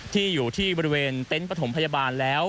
ที่อยู่ที่บริเวณเต็นต์ประถมพยาบาลแล้ว